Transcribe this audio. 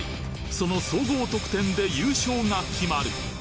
その総合得点で優勝が決まる！